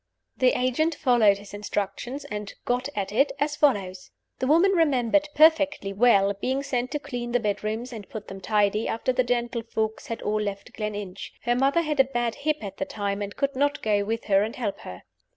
The agent followed his instructions, and "got at it" as follows: The woman remembered, perfectly well, being sent to clean the bedrooms and put them tidy, after the gentlefolks had all left Gleninch. Her mother had a bad hip at the time, and could not go with her and help her.